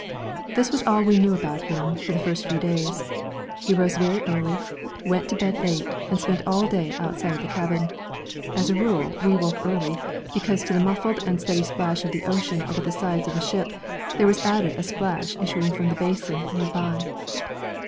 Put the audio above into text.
This was all we knew about him for the first few days. He rose very early, went to bed late and spent all day outside of the cabin. As a rule, we woke early, because to the muffled and steady splash of the ocean over the sides of the ship there was added a splash issuing from the basin, nearby.